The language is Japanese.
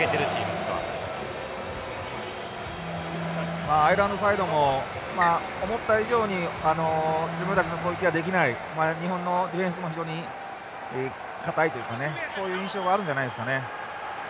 まあアイルランドサイドも思った以上にあの自分たちの攻撃ができない日本のディフェンスも非常に固いというかねそういう印象があるんじゃないですかね。